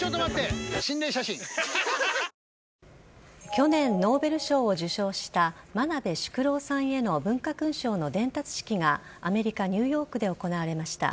去年ノーベル賞を受賞した真鍋淑郎さんへの文化勲章の伝達式がアメリカ・ニューヨークで行われました。